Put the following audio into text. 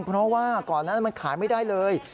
เพราะว่าก่อนนั้นมันขายไม่ได้เลย